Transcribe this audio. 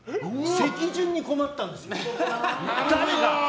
席順に困ったんです。